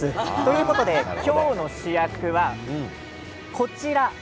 今日の主役はこちらです。